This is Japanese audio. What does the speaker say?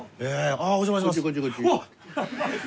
あっお邪魔します。